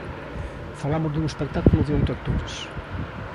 Falamos dun espectáculo de oito actores.